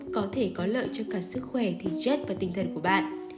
có thể có lợi cho cả sức khỏe thể chất và tinh thần của bạn